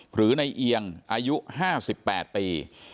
หรือในเอียงอายุ๕๘ปี